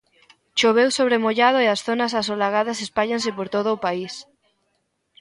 Choveu sobre mollado e as zonas asolagadas espállanse por todo o país.